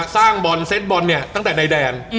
สร้างบอลเซตบอลเนี่ยตั้งแต่ในแดน